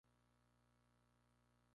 Atila el Huno podría deber su nombre al río.